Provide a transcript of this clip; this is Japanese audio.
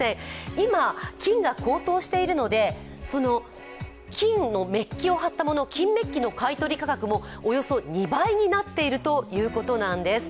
今、金が高騰しているのでメッキをはったもの金メッキの買い取り価格もおよそ２倍になっているということなんです。